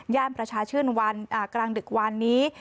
แย่มประชาชื่นกลางดึกวานนี้